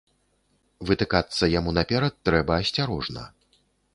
Вытыкацца яму наперад трэба асцярожна.